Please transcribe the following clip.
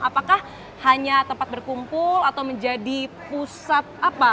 apakah hanya tempat berkumpul atau menjadi pusat apa